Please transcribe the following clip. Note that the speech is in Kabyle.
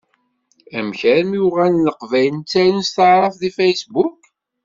Amek armi uɣalen Leqbayel ttarun s taɛrabt deg Facebook?